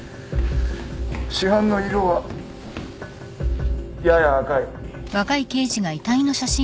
死斑の色はやや赤い。